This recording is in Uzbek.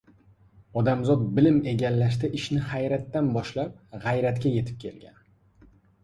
Odamzod bilim egallashda ishni hayratdan boshlab, g‘ayratga yetib kelgan.